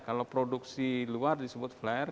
kalau produksi luar disebut flare